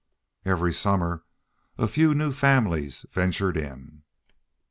Every summer a few new families ventured in.